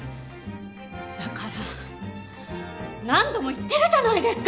だから何度も言ってるじゃないですか！